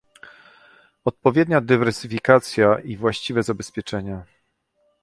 odpowiednia dywersyfikacja i właściwe zabezpieczenia